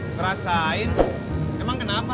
ngerasain emang kenapa